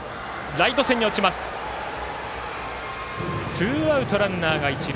ツーアウト、ランナーが一塁。